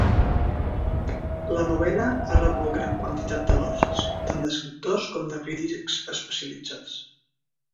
La novel·la ha rebut gran quantitat d'elogis, tant d'escriptors com de crítics especialitzats.